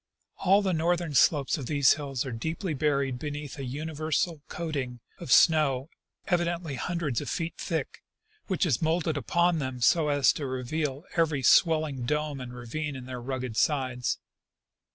All the northern slopes of these hills are deeply buried beneath a universal covering of snow evideiitly hundreds of feet thick, which is molded upon them so as to reveal every swelling dome and ravine in their rugged sides.